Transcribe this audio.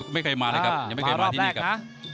มารอบแรกนะ